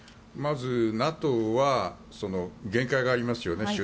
まず、ＮＡＴＯは限界がありますよね。